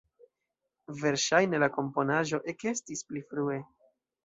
Verŝajne la komponaĵo ekestis pli frue.